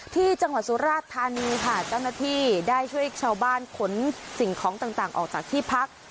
ที่จังหวัดสุราชธานีค่ะเจ้าหน้าที่ได้ช่วยชาวบ้านขนสิ่งของต่างออกจากที่พัก